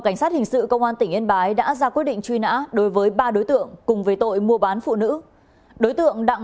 chuyên hạ tội phạm